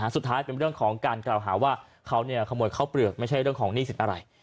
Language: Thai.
สุดท้ายเป็นเรื่องของการกล่าวหาว่าเขาขโมยข้าวเปลือกไม่ใช่เรื่องของหนี้สินอะไร